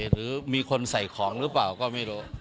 หรือมีคนใส่ของหรือเปล่าก็ไม่รู้